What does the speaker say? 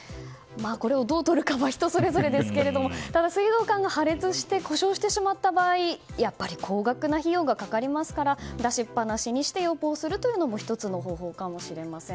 これをどうとるかは人それぞれですがただ、水道管が破裂して故障してしまった場合やっぱり高額な費用がかかりますから出しっぱなしにして予防するのも１つの方法かもしれません。